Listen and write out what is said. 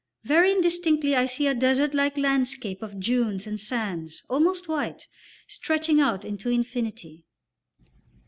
Very indistinctly I see a desert like landscape of dunes and sands almost white, stretching out into infinity.